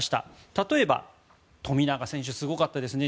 例えば富永選手すごかったですね